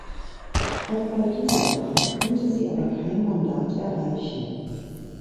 Auch bei dieser Wahl konnte sie aber kein Mandat erreichen.